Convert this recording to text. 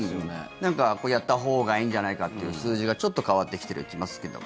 なんか、やったほうがいいんじゃないかという数字がちょっと変わってきてますけども。